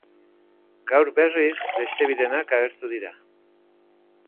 Gaur, berriz, beste birenak agertu dira.